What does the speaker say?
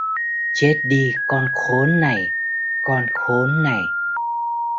chết đi con khốn này con khốn này